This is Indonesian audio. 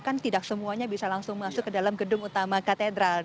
kan tidak semuanya bisa langsung masuk ke dalam gedung utama katedral